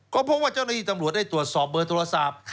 ก็เพราะว่าเจ้าหน้าที่ตำรวจได้ตรวจสอบเบอร์โทรศัพท์